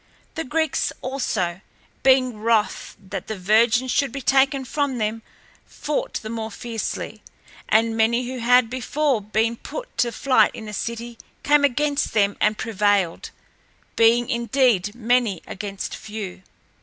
The Greeks also, being wroth that the virgin should be taken from them, fought the more fiercely, and many who had before been put to flight in the city came against them and prevailed, being indeed many against few.